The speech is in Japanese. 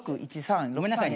あのごめんなさい。